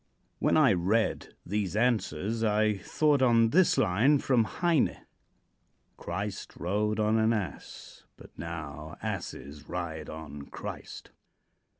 When I read these answers I thought of this line from Heine: "Christ rode on an ass, but now asses ride on Christ."